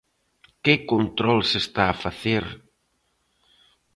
¿Que control se está a facer?